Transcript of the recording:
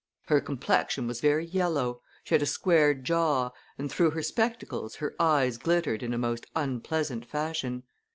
Her complexion was very yellow; she had a square jaw; and through her spectacles her eyes glittered in a most unpleasant fashion.